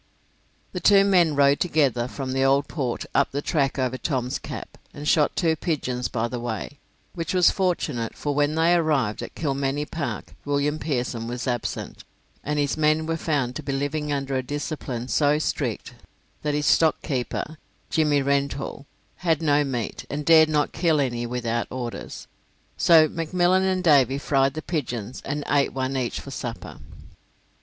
The two men rode together from the Old Port up the track over Tom's Cap, and shot two pigeons by the way, which was fortunate, for when they arrived at Kilmany Park William Pearson was absent, and his men were found to be living under a discipline so strict that his stock keeper, Jimmy Rentoul, had no meat, and dared not kill any without orders; so McMillan and Davy fried the pigeons, and ate one each for supper.